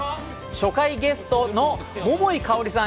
初回ゲストは、桃井かおりさん